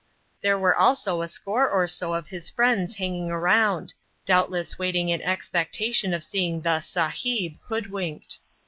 There were also a score or so of his friends hanging around, doubtless waiting in the expectation of seeing the "Sahib" hoodwinked.